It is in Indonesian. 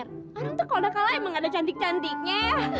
mereka tuh kalo udah kalah emang ada cantik cantiknya